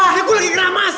iy aku lagi keramas